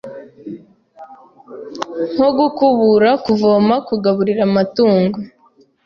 Nko gukubura, kuvoma, kugaburira amatungo,